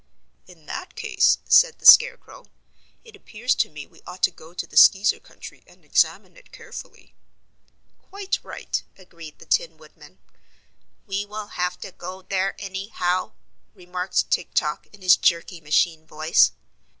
"In that case," said the Scarecrow, "it appears to me we ought to go to the Skeezer country and examine it carefully." "Quite right," agreed the Tin Woodman. "We will have to go there any how," remarked Tik Tok in his jerky machine voice.